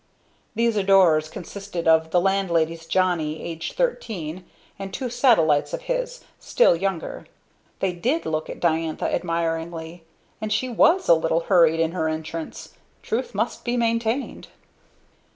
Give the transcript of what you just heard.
These adorers consisted of the landlady's Johnny, aged thirteen, and two satellites of his, still younger. They did look at Diantha admiringly; and she was a little hurried in her entrance truth must be maintained.